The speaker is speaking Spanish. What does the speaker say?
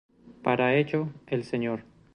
Para ello, el Sr.